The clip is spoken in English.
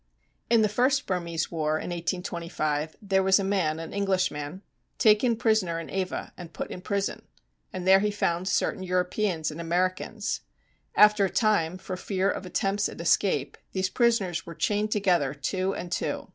In the first Burmese war in 1825 there was a man, an Englishman, taken prisoner in Ava and put in prison, and there he found certain Europeans and Americans. After a time, for fear of attempts at escape, these prisoners were chained together two and two.